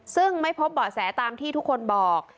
ซึ่งไม่พบเบาะแสตามที่ทุกคนบอก